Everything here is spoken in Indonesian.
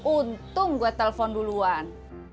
untung gue telpon duluan